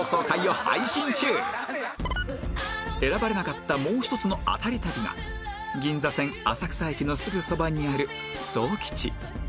選ばれなかったもう一つのアタリ旅が銀座線浅草駅のすぐそばにある創吉